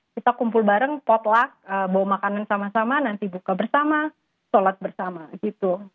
kita kumpul bareng potluck bawa makanan sama sama nanti buka bersama sholat bersama gitu